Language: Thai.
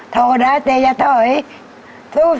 เถาได้แต่อย่าเถาไอ้